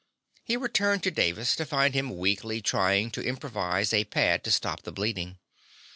He returned to Davis to find him weakly trying to improvise a pad to stop the bleeding.